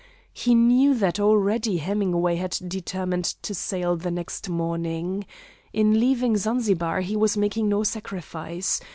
He knew that already Hemingway had determined to sail the next morning. In leaving Zanzibar he was making no sacrifice.